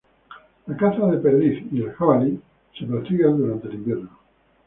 La caza de perdiz y jabalí se practica durante el invierno.